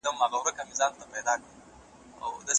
د لويي لاري پر سر خوښ خوشاله ودرېږه